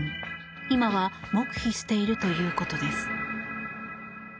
今は黙秘しているということです。